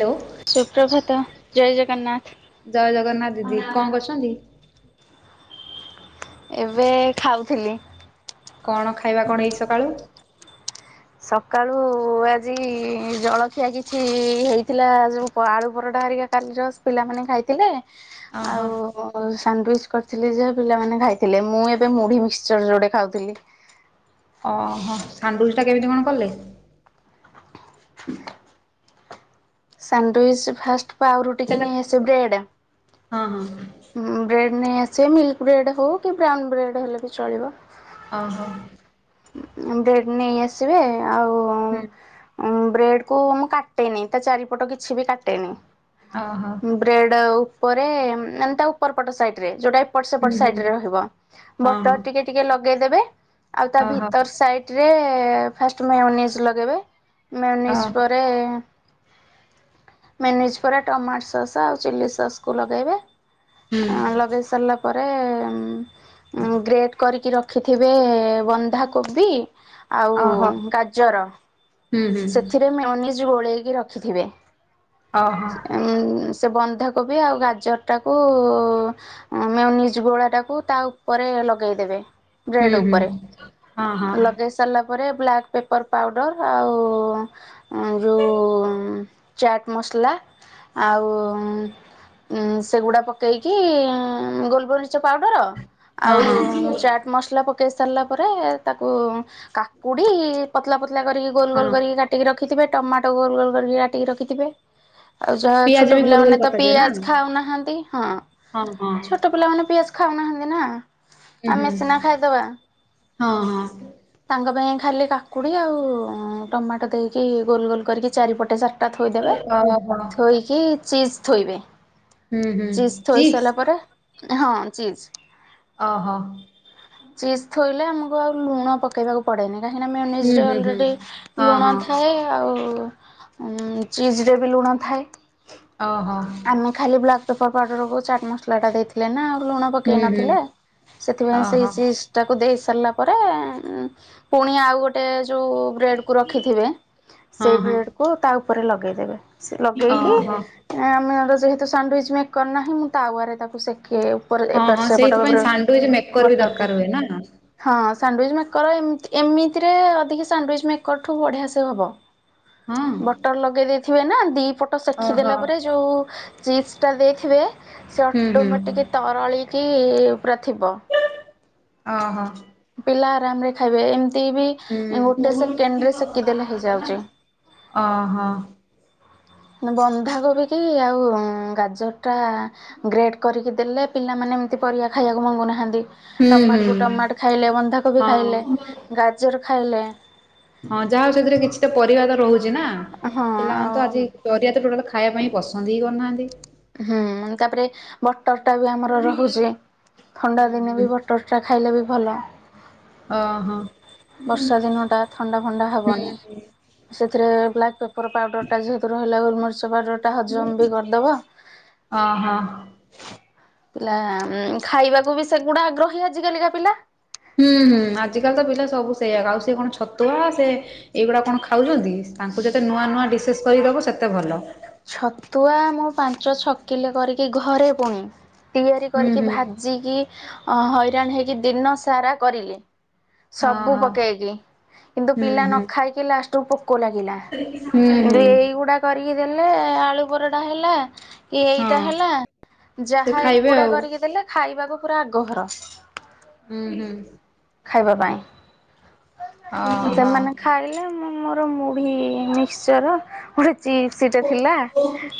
Hello ସୁପ୍ରଭାତ, ଜୟ ଜଗନ୍ନାଥ। ଜୟ ଜଗନ୍ନାଥ ଦିଦି। କଣ କରୁଛନ୍ତି? ଏବେ ଖାଉଥିଲି। କଣ ଖାଇବା କଣ ହେଇଚି ସକାଳୁ? ସକାଳୁ ଆଜି ଜଳଖିଆ କିଛି ହେଇଥିଲା ଯୋଉ ପ-ଆଳୁ ପରଟା ହେରିକା। କାଲିର ପିଲାମାନେ ଖାଇଥିଲେ ଓହୋ ଆଉ ତାପରେ ସାଣ୍ଡୁଇଚ କରିଥିଲି ଯେ ପିଲାମାନେ ଖାଇଥିଲେ। ମୁଁ ଏବେ ମୁଢ଼ି ମିକ୍ସଚର ଯୋଡେ ଖାଉଥିଲି। ଓ ହଁ ସାଣ୍ଡୁଇଚ ଟା କେମିତି କଣ କଲେ? ସାଣ୍ଟୁଉଇସ୍ ଫାଷ୍ଟ ପାଉଁରୁଟି କି ସେଟା ନେଇ ଆସେ ବ୍ରେଡ୍। ହଁ, ହଁ। ହୁଁ, ବ୍ରେଡ଼୍ ନେଇ ଆସେ ମିଲ୍କ ବ୍ରେଡ଼୍ ହଉ କି ବ୍ରାଉନ୍ ବ୍ରେଡ଼୍ ହେଲେ ବି ଚଳିବ। ଓ ହୋ! ଉଁ, ବ୍ରେଡ଼ ନେଇ ଆସିବେ ଆଉ ହୁଁ। ଅଁ, ବ୍ରେଡ୍ କୁ ମୁଁ କାଟେନି ତା ଚାରିପଟ କିଛି ବି କାଟେନି। ଓହୋ! ଉଁ, ବ୍ରେଡ୍ ଉପରେ ମାନେ ତା ଉପର ପଟ ସାଇଟ୍ ରେ ଯୋଉଟା ଏପଟ ସେପଟ ହୁଁ ସାଇଡ୍ ହୁଁ ରେ ରହିବ। ହଁ ବଟର୍ ଟିକେ ଟିକେ ଲଗେଇ ଦେବେ ଆଉ ତା ଭି ହଁ ସାଇଟ୍ ରେ ଫାଷ୍ଟ ମେଅନିସ୍ ଲଗେଇବେ ଓହୋ ମେଅନିସ୍ ଓହୋ ପରେ ମେନିଜ୍ ପରେ ଟମାଟ ସସ୍ ଆଉ ଚିଲ୍ଲି ସସ୍ କୁ ଲଗେଇବେ। ହୁଁ ଅଁ, ଲଗେଇ ସାରିଲା ପରେ ଉଁ, ଅଁ, ଗ୍ରେଟ କରିକି ର ଖିଥିବେ ବନ୍ଧାକୋବି ଆଉ ଓହୋ ଗାଜର ହୁଁ ହୁଁ ସେଥିରେ ମେଅନିଜ୍ ଗୋଳେଇକି ରଖିଥିବେ। ଓହୋ ସେ ଉଁ, ସେ ବନ୍ଧାକୋବି ଆଉ ଗାଜରଟାକୁ ମେଓ ନିଜ ଗୋଳା ଟାକୁ ତା ଉପରେ ଲଗେଇଦବେ। ହୁଁ ବ୍ରେଡ ହୁଁ ଉପରେ ହଁ ହଁ ଏ ଲଗେଇ ସାରିଲା ପରେ ବ୍ଲାକ୍ ପେପର୍ ପାଉଡ଼ର ଆଉ ଉଁ ଯୋଉ। ଚାଟ୍ ମସଲା ଆଉ ଉଁ। ଉଁ ସେଗୁଡା ପକେଇକି ଗୋଲମରିଚ ପାଉଡର, ହଁ ଆଉ ହଁ ଚାଟ୍ ମସଲା ପକେଇ ସାରିଲା ପରେ ତାକୁ କାକୁଡି ପତଲା ପତଲା କରିକି ଗୋଲ ଗୋଲ। ହଁ କରିକି କାଟିକ ରଖିଥିବେ ଟମାଟୋ ଗୋଲ ଗୋଲ କରିକି କାଟିକି ରଖିଥିବେ। ଆଉ ଯାହ ପିଆଜ ଛୋଟ ବି ଗୋଲ ଗୋଲ ପିଲାମାନେ ତ କଟାଯିବ ନା? ପିଆଜ ଖାଉନାହାନ୍ତି ହଁ। ହଁ ହଁ ଛୋଟ ପିଲାମାନେ ପିଆଜ ଖାଉ ନାହାନ୍ତି ନା। ଉଁ ହୁଁ ଆମେ ସିନା ଖାଇଦବା। ହଁ ହଁ। ତାଙ୍କ ପାଇଁ ଖାଲି କାକୁଡି ଆଉ ଟମାଟୋ ଦେଇକି ଗୋଲ ଗୋଲ କରିକି ଚାରିପଟେ ଚା ରିଟା ଥୋଇ ଦେବେ ଓହୋ ଥୋଇକି ଚିଜ ଥୋଇବେ। ହୁଁ ହୁଁ ଚିଜ ଥୋଇ ଚିପ୍ସ ସାରିଲା ପରେ ହଁ ଚିଜ। ଅ ହ। ଚିଜ ଥୋଇଲେ ଆମକୁ ଆଉ ଲୁଣ ପକେଇବାକୁ। ପଡେନି କାହିଁକିନା ମେଓନିଜ ହୁଁ ରେ ହୁଁ ହୁଁ ଅଲରେଡି ହଁ ଲୁଣ ହଁ ଥାଏ। ଆଉ ଉଁ ଚିଜ ରେ ବି ଲୁଣ ଥାଏ। ଓହୋ ଆମେ ଖାଲି ବ୍ଲାକ୍ ପେପର ପାଉଡର କୁ ଚାଟ ମସଲା ଟା ଦେଇଥିଲେ ନା ଆଉ ଲୁଣ। ପକେଇ ହୁଁ ହୁଁ ନଥିଲେ ସେଥିପାଇଁ ସେଇ ଓହୋ ସିସ୍। ତାକୁ ଦେଇ ସାରିଲା ପରେ ପୁଣି ଆଉ ଗୋଟେ। ଗୋଟେ ଯୋଉ ବ୍ରେଡ କୁ ରଖିଥିବେ ହଁ ସେଇ ହଁ ବ୍ରେଡ କୁ ତା ଉପରେ ଲଗେଇଦବେ। ସେ ଲଗେଇକି ଓହୋ ଆମେର ଯେହେତୁ ସାଣ୍ଡୱିଚ ମେକର ନାହିଁ ମୁଁ ତାୱା ରେ ତାକୁ ସେକେ। ପରେ ହଁ ଏପଟ ହଁ ସେପଟ ସେଇଥିପାଇଁ ଭାବରେ ସାଣ୍ଡୱିଚ ମେକର ବି ବଟର ରେ। ଦରକାର ହୁଏ ନା ହଁ ସାଣ୍ଡୱିଚ ମେକର ଏମତ ଏମିତିରେ ଆଉ ଟିକେ ସାଣ୍ଡୱିଚ ମେକର ଠୁ ବଢିଆ ସେ ହବ। ହଁ। ବଟର ଲଗେଇ ଦେଇଥିବେ ନା ଦି ପଟ ସେଖି ଓହୋ ଦେଲା ପରେ ଯଉ ଚିଜ ଟା ଦେଇଥିବେ। ସେ ହୁଁ ହୁଁ ଅଟୋମେଟିକ ତରଳି କିି ପୁରା ଥିବ। ଅ ହ। ପିଲା ଆରାମ ରେ ଖାଇବେ ଏମିତି ବି ହୁଁ ଗୋଟେ ସେକେଣ୍ଡ ରେ ସେକି ଦେଲେ ହେଇଯାଉଛି। ଅ ହ। ବନ୍ଧାକୋବିକି ଆଉ ଗାଜରଟା ଗ୍ରେଟ୍ କରିକି ଦେଲେ। ପିଲାମାନେ ଏମିତି ପରିବା ଖାଇବାକୁ ମଙ୍ଗୁନାହାନ୍ତି ହୁଁ ହୁଁ ଟମାଟ କୁ ଟମାଟ ଖାଇଲେ ବନ୍ଧା କୋବି ହଁ ଖାଇଲେ। ଗାଜର ଖାଇଲେ। ହଁ ଯାହା ହେଉ ସେଥିରେ କିଛିଟା ପରିବା ତ ରହୁଛି ନା ହଁ ପିଲାମାନେ ତ ଆଉ ଆଜି। ପରିଆ ତ ଟୋଟାଲ୍ ଖାଇବା ପାଇଁ ପସନ୍ଦ ହିଁ କରୁନାହାନ୍ତି। ହୁଁ ମାନେ ତାପରେ ବଟର ଟା ବି ଆମର ରହୁଛି ଥଣ୍ଡା ହୁଁ ଦିନେ ହୁଁ ବି ବଟ। ଟର ଟା ଖାଇଲେ ବି ଭଲ। ଓ ହ। ବର୍ଷା ଦିନ ଟା ଥଣ୍ଡା ଫଣ୍ଡା ହବନି ହୁଁ ସେଥିରେ ବ୍ଲାକ୍ ପେ ପର ପାଉଡର ଟା ଯେହେତୁ ରହିଲା ଗୋଲମରିଚ ପାଉଡର ଟା ହଜମ ବି କରିଦବ। ଓହୋ ପିଲା ଖାଇବାକୁ ବି ସେଗୁଡା ଆଗ୍ରହୀ ଆଜି କାଲିକା ପିଲା। ହୁଁ ହୁଁ ଆଜିକାଲି ତ ପିଲା ସବୁ ସେଇଆକ ଆଉ ସିଏ କଣ ଛତୁଆ ସେ। ଏଇଗୁଡା କଣ ଖାଉଛନ୍ତି ତାଙ୍କୁ ଯେତେ ନୂଆ ନୂଆ ଡିସେସ୍ କରିଦବ ସେତେ ଭଲ। ଛତୁଆ ମୁଁ ପାଞ୍ଚ ଛକିଲେ କରିକି ଘରେ ପୁଣି ତିଆରି ହୁଁ କରିକି ହୁଁ ଭାଜ ଯି କି ଅ ହଇରାଣ ହେଇକି ଦିନ ସାରା କରିଲି। ସବୁ ଓହୋ ପକେଇକି କିନ୍ତୁ ହୁଁ ପିଲା ନ ହୁଁ ଖାଇକି ଲାଷ୍ଟକୁ ପୋକ ଲାଗିଲା। ହୁଁ କିନ୍ତୁ ହୁଁ ଏଇଗୁଡା କରିକି ଦେଲେ ଆଳୁ ପରଟା ହେଲା। କି ଏଇଟା ହଁ ହେଲା ସେ ଯାହା ଖାଇବେ ଏଗୁଡା ଆଉ କରିକି ଦେଲେ ଖାଇବାକୁ ପୁରା ଆଗଭର। ଉଁ ହୁଁ। ଖାଇବା ପାଇଁ। ଓହୋ ସେମାନେ ଖାଇଲେ ମୁଁ ମୋର ମୁଢ଼ି ମିକ୍ସଚର ଗୋଟେ ଚି ସି ଟେ ଥିଲା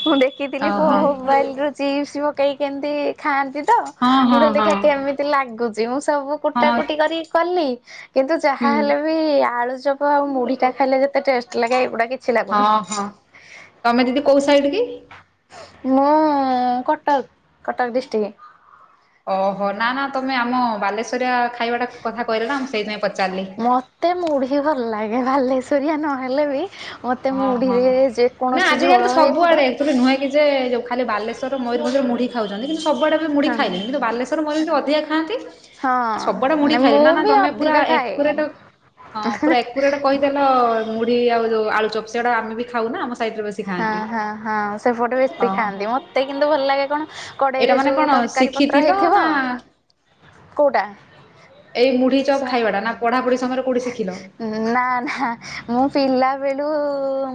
ମୁଁ ଦେଖିଥିଲି ଫୋ ଓହୋ ମୋବାଇଲ୍ ରୁ ଚିପ୍ସ ପକେଇକି ଏମିତି ଖାଆନ୍ତି ତ। ହଁ ମୁଁ ହଁ କହିଲି ହଁ ଦେଖିବା କେମିତି ଲାଗୁଛି ମୁଁ ସବୁ କୁଟା ହଁ କୁଟି କରିକି କଲି କିନ୍ତୁ ଯାହା ହୁଁ ହେଲେ ବି ଆଳୁଚପ ଆଉ ମୁଢ଼ି ଟା ଖାଇଲେ ଯେତେ ଟେଷ୍ଟ ଲାଗେ ଏଗୁଡ଼ା କି ହଁ ହଁ ତମେ ଦିଦି କୋଉ ସାଇଡ୍ କି? ମୁଁ କଟକ୍ କଟକ୍ ଡିଷ୍ଟ୍ରିକ୍। ଓହୋ ନା ନା ତମେ ଆମ ବାଲେଶ୍ୱରିଆ ଖାଇବାଟା କଥା କହିଲ ନା ମୁଁ ସେଇଥିପାଇଁ ପଚାରିଲି। ମୋତେ ମୁଢ଼ି ଭଲ ଲାଗେ ବାଲେଶ୍ୱରିଆ ନହେଲେ ବି ମତେ ଅଁ ହଁ ମୁଢିରେ ନା ଯେକୌଣସି ଝୋଳ ଆଜିକାଲି ତ ହେଇଥିବ ସବୁଆଡେ ଏକ୍ଚୁଲି ନୁହେଁ କି ଯେ ଯୋଉ ଖାଲି ବାଲେଶ୍ ଶର ମୟୂରଭଞ୍ଜ ମୁଢ଼ି ଖାଉଛନ୍ତି କିନ୍ତୁ ସବୁ ଆଡ଼େ ବି ମୁଢ଼ି ହଁ ଖାଇଲେଣି କିନ୍ତୁ ବାଲେଶ୍ୱର ମୟୂରଭଞ୍ଜ ଅଧିକା ଖାଆନ୍ତି ହଁ ଆ ସବୁଆଡ଼େ ମୁଢ଼ି ମୁଁ ଖାଇଲେଣି ନା ନା ବି ତମେ ଅଧିକା ଖାଏ। ଏକ୍ୱେରେଟେ ହଁ ପୁରା ଏକ୍ୱେରେଟେ କହିଦେଲ ମୁଢ଼ି ଆଉ ଯୋଉ ଆଳୁ ଚପ ସେଉଡ଼ା ଆମେ ବି ଖାଉ ନା ଆମ ସ୍ ହଁ ହଁ ହଁ ସେପଟେ ବେଶି ଓହୋ ଖାଆନ୍ତି ମତେ କିନ୍ତୁ ଭଲ ଲାଗେ କଣ ଏଇଟା କଡ଼େଇରେ ମାନେ ଯୋଉ କଣ ତରକାରୀ ପତ୍ର ଶିଖିଥିଲ ହେଇଥିବ ନା କୋଉଟା? ଏଇ ମୁଢ଼ି ଚପ୍ ଖାଇବା ଟା ନା ପଢ଼ାପଢ଼ି ସମୟରେ କୋଉଠି ଶିଖିଲ? ନା ନା ମୁଁ ପିଲା ବେଳୁ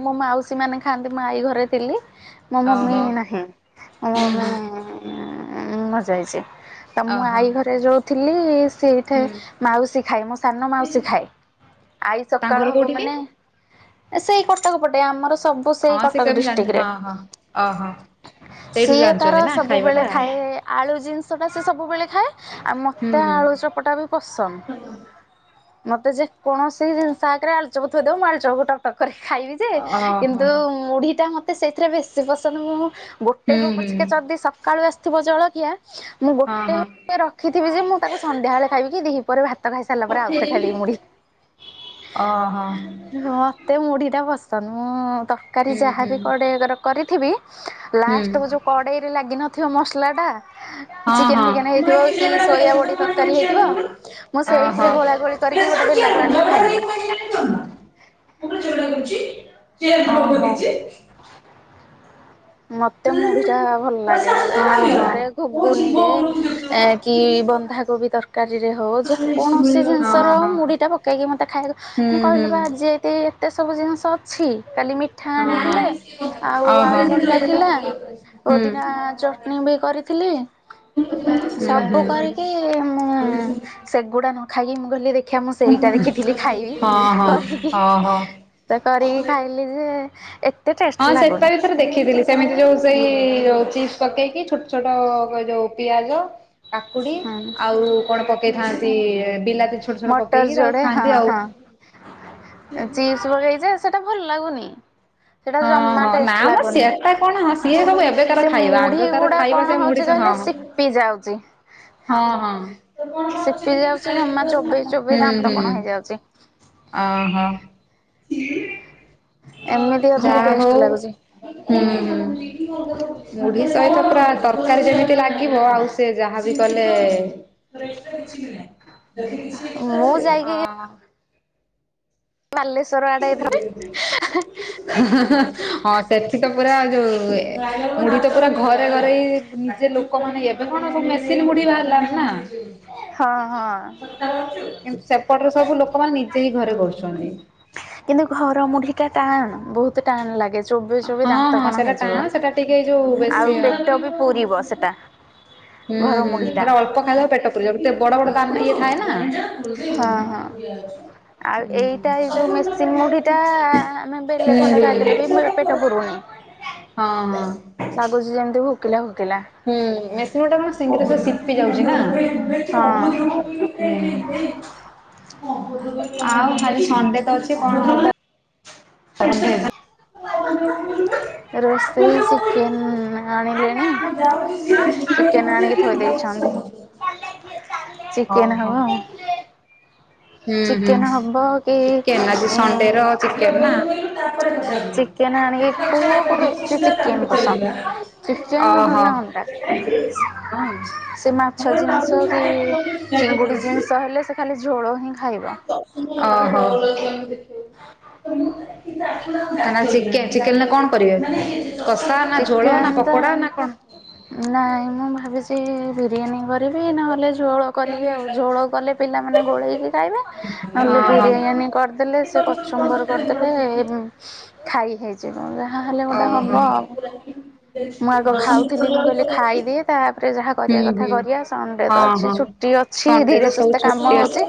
ମୋ ମାଉସୀ ମାନେ ଖାଆନ୍ତି ମୋ ଆଈ ଘରେ ଥିଲି। ମୋ ମମି ଓହୋ ନାହିଁ ମୋ ମମି ମରିଯିଇଛି। ତ ମୁଁ ଓହୋ ଆଈ ଘରେ ଯୋଉ ଥିଲି ସେଇଠେ ହୁଁ ମାଉସୀ ଖାଏ ମୋ ସାନ ମାଉସୀ ଖାଏ ଆଇ ତାଙ୍କ ସକାଳ ଘର ହବ କୋଉଠି କି? ମାନେ ଆ ସେଇ କଟକ ପଟେ ଆମର ସବୁ ସେଇ ହଁ ସେ କଟକ [unintelligible] ଜାଣିନି ଡିଷ୍ଟ୍ରିକ୍ଟ ରେ। ହଁ ହଁ ଅହ। ସିଏ ତାର ସବୁବେଳେ ଖାଏ ଆଳୁ ଜିନିଷ ଟା ସେ ସବୁବେଳେ ଖାଏ ଆମ ତେ ଆଳୁଚପ ଟା ବି ପସନ୍ଦ। ମତେ ଯେ କୌଣସି ଜିନିଷ ଆଗରେ ଆଳୁଚପ ଥୋଇଦେବ ମୁଁ ଆଳୁଚପ ଗୋଟା ଟକ ଖାଇବି ଯେ ଓହୋ କିନ୍ତୁ ମୁଢ଼ି ଟା ମତେ ସେଇଥିରେ ବେଶୀ ଶ୍ରୀ ପସନ୍ଦ ମୁଁ ଗୋଟେ ହୁଁ ହଉ ହୁଁ ପଛକେ ଯଦି ସକାଳୁ ଆସିଥିବ ଜଳଖିଆ ମୁଁ ହଁ ଗୋଟେ ହଉ ହଁ ରଖିଥିବି ଯେ ମୁଁ ତାକୁ ସନ୍ଧ୍ୟାବେଳେ ଖାଇବି କି ଦିହି ପହରେ ଭାତ ଖାଇ ସାରିଲା ପରେ ଆଉ। ସେ ଖାଲି ମୁଢ଼ି। ଓହୋ ହୁଁ ତେ ମୁଢ଼ିଟା ପସନ୍ଦ ମୁଁ ତରକାରୀ ଯାହାବ ହୁଁ କଡ଼େଇଏ ଧର କରିଥିବି ହୁଁ ହଁ ଲାଷ୍ଟ କୁ ଯୋଉ କଡ଼େଇ ରେ ଲାଗିିନଥିବ ମସଲା ଟା ଚିକେନ୍ ହଁ ଓହୋ ଫିକେନ୍ ହଁ ହେଇଥିବ କି ସୋୟା ବଡ଼ି ତରକାରୀ ହେଇଥିବ ମୁଁ ସେଇଥିରେ ଗୋଳା ଗୋଳି କରିକି ଗୋଟେ ବେଲାକୁ ଆଣିକି ଖାଇବି। ଓହୋ। ମତେ ମୁଢ଼ି ଟା ଭଲ୍ ଲାଗେ ଆଳୁଚପ୍ ରେ ଗୁଗୁନିରେ କି ବନ୍ଧା କୋବି ତରକାରୀରେ ହୋଉ ଯେକୌଣସି ଜିନିଷରେ ହୋଉ ମୁଢ଼ିଟା ପକାଇକି ମୋତେ ଖାଇବାକୁ ମୁଁ କହିଲି ପା ହୁଁ ଆଜି ଏଇଟି ଏତେ ସବୁ ଜିନିଷ ଅଛି କାଲି ମିଠା ଆଣିଥିଲେ ଆଉ ଆଳୁ ପରଟା ଥିଲା ପୋଦିନା ଚଟଣୀ ବି କରିଥିଲି। ସବୁ କରିକି ମୁଁ ସେଗୁଡା ନ ଖାଇକି ମୁଁ କହିଲି ଦେଖିବା ମୁଁ ସେଇଟା ଦେଖିଥିଲି ଖାଇବି ହଁ ହଁ କରିକି। ହଁ ହଁ। ସେ କରିକି ଖାଇଲି ଯେ ଏ ହଁ ସେଟା ବି ଥରେ ଦେଖିଥିଲି। କେମିତି ଯୋଉ ସେଇ ଯୋଉ ଚିପ୍ସ ପକେଇକି ଛୋଟ ଛୋଟ କ ଯୋଉ ପିଆଜ କାକୁଡ଼ି ହୁଁ। ଆଉ କଣ ପକେଇଥାନ୍ତି ବିଲା ମଟର ଯୋଡ଼େ ହଁ ହଁ ଚିପ୍ସ ଗୋଳେଇ ଯେ ସେଟା ଭଲ ଲାଗୁନି। ହେଟା ହଁ ଜମା ହଁ ନା ଟେଷ୍ଟ ମ ଲାଗୁନି ସେଟା କଣ ହଁ ସିଏ ସବୁ ଏବେକାର ସେ ଖାଇବା ମୁଢ଼ି ଆଗକାର ଗୁଡ଼ା ଖାଇବା ସେ କଣ ମୁଢି ଚ ହୋଉଛି ହଁ କହିଲେ ସି ପି ଯାଉଚି। ହଁ ଯାଉଛି ଜମା ହଁ। ଚୋବେଇ ଚୋବେଇ ଦାନ୍ତ କଣ ହେଇଯାଉଛି। ଅ ହୋ ଏମିତି ଯା ଅଧିକ ହଉ। ଟେଷ୍ଟ ଲାଗୁଛି। ହୁଁ ହୁଁ ମୁଢୀ ସହିତ ପୁରା ତରକାରୀ ଯେମିତି ଲାଗିବ ଆଉ। ସେ ଯାହାବି କଲେ [unintelligible] ମୁଁ ଯାଇକି ଅହଂ। ବାଲେଶ୍ୱର [unintelligible] ହ ହଃ ହେଁ ହଁ ସେଠି ତ ପୁରା ଯୋଉଏ ତ ମୁଢିତ ପୁରା ଘରେ ଘରେ ଇ ନିଜ ଲୋକମାନେ ଏବେ କଣ ସବୁ ମେସିନ ମୁଢ଼ି ବାହାରିଲାଣି ନା। ହଁ ହଁ। କିନ୍ତୁ ସେପଟରେ ସବୁ ଲୋକମାନେ ନିଜେ ହିଁ ଘରେ କରୁଛନ୍ତି। କିନ୍ତୁ ଘର ମୁଢିକା ଟାଣ ବହୁତ ଟାଣେ ଲାଗେ ଚୋବେଇ ଚୋବେଇ ହଁ ଦାନ୍ତ ହଁ କଣ ସେଟା ଟାଣ ହେଇଯିବ ସେଟା ଟିକେ ଏଇ ଯୋଉ ବେଶୀ ହୁଁ ଆଉ ପେଟ ବି ପୁରିବ ସେଟା। ହୁଁ ଘର ହୁଁ ମୁଢି ଟା ସେଟା ଅଳ୍ପ ଖାଇଦବା ପେଟ ପୁରିଯିବଏତେ ବଡ ବଡ ଦାମରେ ଇଏ ଥାଏନା। ହଁ ହଁ। [unintelligible] ଆଉ ଏଇଟା ଏଇ ଯୋଉ ମେସିନ୍ ମୁଢି ଟା ଆମେ ବେଲେ ଖଣ୍ଡେ ହୁଁ ଖାଇଦେଲେ ବି ମେ ପେଟ ପୁରୁନି। ହଁ ହଁ। ଲାଗୁଛି ଯେମିତି ଭୁକିଲା ଭୁକିଲା। ହୁଁ ମେସିନ ବଟା ମୁ ସିଙ୍ଗସସେ ଶିପି ଯାଉଛି ନା। ହଁ। ଆଉ ଖାଲି ସଣ୍ଡେ ତ ଅଛି କଣ [unintelligible] [unintelligible] ରୋସେଇ ଚିକେନ୍ ଆଣିଲେ। ମୁଁ ଯାଉଛି ଯେ [unintelligible] ଚିକେନ ହବ ଆଉ। ହୁଁ ହୁଁ ଚିକେନ୍ ହବ କି ଚିକେନ ଆଜି ସଣ୍ଡେ ର ଚିକେନ ନା। ତାପରେ କଥା ହୁଏ ଚିକେନ ଆଣିକି କଥାଟାକୁ ଛାଡ ଆଗ ପୁଅକୁ ବହୁତ ବେଶୀ ଥିଲା ତାପରେ ଚିକେନ କଥାକୁ ପସନ୍ଦ। ଯିବା। ଚିକେନ୍ ଓହୋ ହଁ। ନହେଲେ ଅଣ୍ଡା। ସେ ମାଛ ଜିନିଷ କି ଚିଙ୍ଗୁଡ଼ି ଜିନିଷ ହେଲେ ସେ ଖାଲି ଝୋଳ ହିଁ ଖାଇବା। ଓହୋ। ଆ ଚି-ଚିକେନ ନା କଣ କରିବେ? କଷା ନା ଝୋଳ ଚିକେନ୍ ନା ତ ପକୋଡା ନା କଣ? ନାଇଁ ମୁଁ ଭାବିଛି ବିରିୟାନୀ କରି କରିବି ନହେଲେ ଝୋଳ କରିବି ଆଉ ଝୋଳ କଲେ ପିଲାମାନେ ଗୋଳେଇକି ଖାଇବେ। ନହେଲେ ହଁ ବିରିୟାନୀ କରିଦେଲେ ସେ କଚୁମ୍ବର କରିଦେଲେ ଉଁ ହଁ। ଖାଇ ହେଇଛି କଣ ଯାହାହଲେ ଗୋଟେ ଦଶମ ହବ ପଢିଲା ଆଉ। ବେଳେ ମୁଁ ଆଗ କଲେଜ ଖାଉଥିଲି ମୁଁ କହିଲି ଖାଇଦିଏ ତାପରେ ଯାହା କରିବା ହୁଁ କଥା ହୁଁ କରିବା ସଡେ ତ ହଁ ଅଛି ହଁ ଛୁଟି ଅଛି। ଛି ସଣ୍ଡେ ତ ଧୀରେ ସବୁ ସୁସ୍ଥ ଛୁଟି କାମ ଅଛି ହଉଛି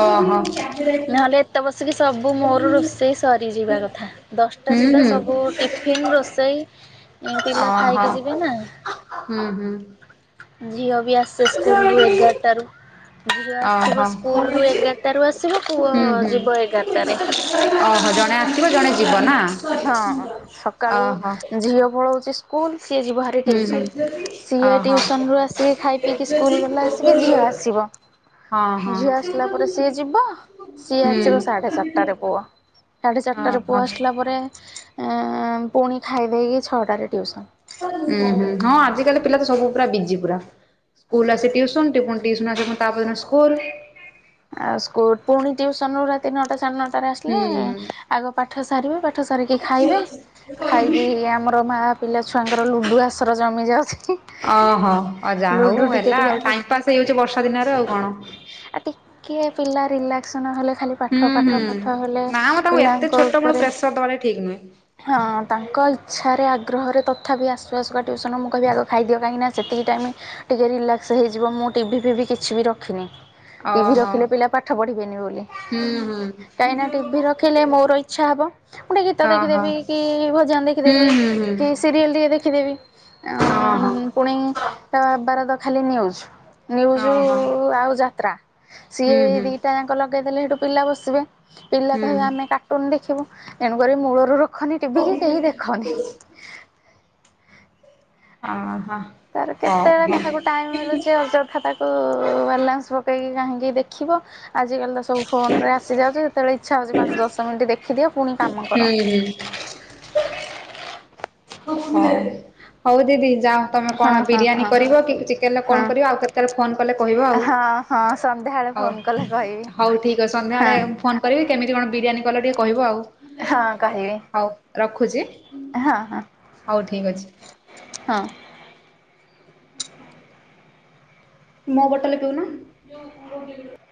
ଓହୋ। ଭାତ ବସିକି ସବୁ ହୁଁ ମୋର ହୁଁ ରୋଷେଇ ଓହୋ ସରିଯିବା କଥା। ଦଶଟା ହୁଁ ସୁଦ୍ଧା ହୁଁ। ସବୁ ଟିଫିନ୍ ରୋଷେଇ ଏ ପିଲା ଓହୋ ଖାଇକି ଯିବେ ନା। ଝିଅ ବି ଆସେ ସ୍କୁଲ ରୁ ଏଗାରଟା ରୁ ଯିବ ଆସିବ ହୁଁ ସ୍କୁଲରୁ ଏଗାରଟାରୁ ଆସିବ ପୁଅ ହୁଁ। ଯିବ ଏଗାରଟାରେ। ଓହୋ ଜଣେ ଆସିବ ଜଣେ ଯିବ ନା। ହଁ ସକାଳୁ ଓହୋ ଝିଅ ପଳାଉଛି ସ୍କୁଲ ସିଏ ଯିବା ହାଁ ହୁଁ ଟିୟୁସନ ହୁଁ ରୁ ସିଏ ଓହୋ। ଟିଉସନ ରୁ ଆସିକି ଖାଇ ପିଇକି ସ୍କୁଲ ଗଲା ଆସି ଝିଅ ହଁ ଆସିବ। ହଁ। ଝିଅ ହୁଁ ଆସିଲା ପରେ ଓହୋ। ସିଏ ଯିବ ସିଏ ହୁଁ ଆସିବ ସାଢେ ହୁଁ ଚାରିଟାରେ ପୁଅ। ସାଢେ ଚାରିଟାରେ ପୁଅ ଆସିଲା ପରେ ପୁଣି ଖାଇଦେଇକି ଛଅଟାରେ ଟିଉସନ। ହୁଁ ହୁଁ ହଁ ଆଜିକାଲି ପିଲା ତ ସବୁ ପୁରା ବିଜି ପୁରା। ସ୍କୁଲ ଆସେ ଟ୍ୟୁସନ୍ ଟିକ ପୁଣି ଟ୍ୟୁସନ୍ ଆସଁ ତାପ ସ୍କୋଲ। ଆଉ ସ୍କୁଲ ପୁଣି ଟିଉସନରୁ ରାତି ନଅଟା ସାଢ଼େ ନଅଟା ସ୍ତାରେ ଆସିଲେ ହୁଁ। ଆଗ ପାଠ ସାରିବେ ପାଠ ସାରିକି ଖାଇବେ ଖାଇକି ଆମର ମା ପିଲା ଛୁଆଙ୍କର ଲୁଡୁ ଆସର ଜମି ଯାଉଚି ଓହୋ ଅ ଯାହା ହଉ ଲୁଡୁ ଟିକେ ହେଲା ଆଉ ଟିକେ ଆଉ ଟାଇମ ପାସ୍ ହେଇଯାଉଚି ବର୍ଷା ଦିନରେ ଆଉ କଣ। ଆଉ ତିକିଏ ପିଲା ରିଲାକ୍ସ ନ ହଲେ ଖାଲି ଖାଲି ହୁଁ ପାଠ ହୁଁ ପାଠ ପାଠ ହେଲେ ନା ମ ତାଙ୍କୁ ଏତେ ପିଲାଙ୍କ ଛୋଟ ବେଳୁ ଉପରେ ପ୍ରେସର ଦବାଟା ଠିକ ନୁହେଁ। ହଁ ତାଙ୍କ ଇଚ୍ଛାରେ ଆଗ୍ରହରେ ତ କଥା ବି ଆସୁ ଆସୁ ଟ୍ୟୁସନ ମୁଁ କହିଲି ଆଗ ଖାଇଦିଅ କାହିଁକିନା ସେତିକି ଟାଇମ ଟିକ କେ ରିଲାକ୍ସ ହେଇଯିବ ମୁଁ ଟିଭି ଫିଭି କିଛି ବି ରଖିନି। ଟିଭି ଓହୋ ରଖିଲେ ପିଲା ପାଠ ପଢିବେନି ବୋଲି ହୁଁ ହୁଁ କାହିଁ ନା ଟିଭିି ରଖିଲେ ମୋର ଇଚ୍ଛା ହବ। ଗୋଟେ ଗୀତା ଦେଖିଦେବି ଓହୋ। କି ଭଜନ ହୁଁ ଦେଖିଦେବି ହୁଁ ହୁଁ କି ସିରିଏଲ ଟିକେ ଦେଖିଦେବି। ଅ ହଁ ହଁ। ପୁଣି ତା ବାରଟା ଖାଲି ନ୍ୟୁଜ୍ ନ୍ୟୁଜ ଓହୋ ଓ ଆଉ ଯାତ୍ରା ହୁଁ ସିଏ ହୁଁ ଦିଟା ଯାକ ଲଗେଇଦେଲେ ସେଇଠୁ ପିଲା ବସିବେ। ପିଲା ହୁଁ। କହିବେ ଆମେ କାର୍ଟୁନ ଦେଖିବୁ, ତେଣୁକରି ମୂଳରୁ ରଖନି ଟିଭି କି ଓହୋ ହଉ କେହି ଦେଖନି। ହଉ ହଁ ହଁ। ତାର କେତେବେଳେ କାହାକୁ ଟାଇମ ମିଳୁଚି ଅଯଥା ତା ସେଠୁ ବାଲାନ୍ସ ପକେଇକି କାହିଁକି ଦେଖିବ ଆଜିକାଲି ତ ସବୁ ଫୋନରେ ଆସିଯାଉଚି, ଯେତେବେଳେ ଇଚ୍ଛା ହଉଚି ପାଞ୍ଚ ଦଶ ମିନିଟ ଦେଖିଦିଅ ପୁଣି କାମ କର। ହୁଁ। ହଉ ହଉଦିଦି ଯାଅ। ତମେ ହଁ କଣ ହଁ ବିରିୟାନୀ ହଁ କରିବ କି ଚିକେନ ରେ ହଁ କଣ କରିବ ଆଉ କେତେବେଳେ ଫୋନ କଲେ କହିବ ଆଉ। ହଁ ହଁ ସନ୍ଧ୍ୟାବେଳେ ହଉ ଫୋନ କଲେ କହିବି। ହଉ ଠିକ ଅଛି ସନ୍ଧ୍ୟାବେଳେ ହଁ ଫୋନ କରିବି କେମିତି କଣ ବିରିୟାନୀ କଲ ଟିକେ କହିବ ହଁ ଆଉ କହିବି ହଉ ରଖୁଚି। ହଁ ହ ହଁ। [inaudible] ମୋ ବୋଟଲ ପିଉନ।